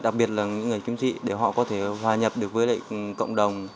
đặc biệt là những người kiếm trị để họ có thể hòa nhập được với lại cộng đồng